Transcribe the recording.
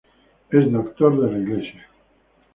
Es doctor de la Iglesia.